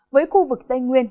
với khu vực tây nguyên